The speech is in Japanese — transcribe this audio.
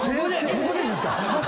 ここでですか？